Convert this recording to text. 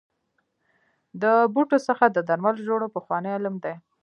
د بوټو څخه د درملو جوړول پخوانی علم دی.